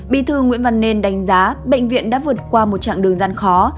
bí thư nguyễn văn nên đánh giá bệnh viện đã vượt qua một chặng đường gian khó